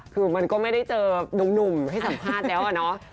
คือมันก็ไม่ได้เจอนุ่มให้สัมภาษณ์แล้วอะเนาะ